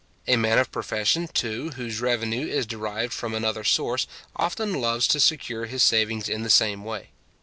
A man of profession, too whose revenue is derived from another source often loves to secure his savings in the same way.